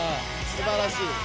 すばらしい。